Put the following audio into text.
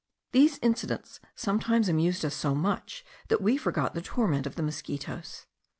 These incidents sometimes amused us so much that we forgot the torment of the mosquitos.